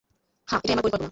হ্যাঁ, এটাই আমার পরিকল্পনা।